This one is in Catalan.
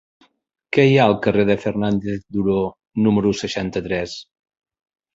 Què hi ha al carrer de Fernández Duró número seixanta-tres?